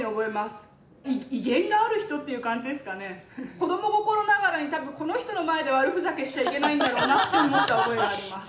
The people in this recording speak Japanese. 子ども心ながらに多分この人の前で悪ふざけしちゃいけないんだろうなって思った覚えがあります。